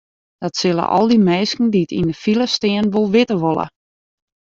Dat sille al dy minsken dy't yn de file stean wol witte wolle.